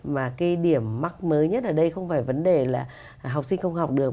mà cái điểm mắc mới nhất ở đây không phải vấn đề là học sinh không học được